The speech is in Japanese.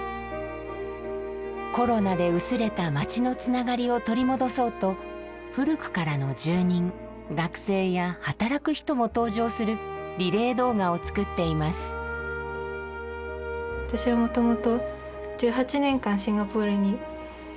コロナで薄れた街のつながりを取り戻そうと古くからの住人学生や働く人も登場するリレー動画を作っています。